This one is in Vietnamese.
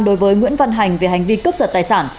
đối với nguyễn văn hành về hành vi cướp giật tài sản